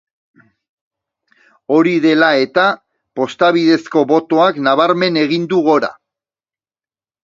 Hori dela eta, posta bidezko botoak nabarmen egin du gora.